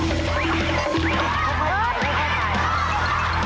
โอ้โฮ